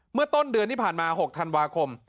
เมื่อต้นเดือนที่ผ่านมา๖ธันวาคม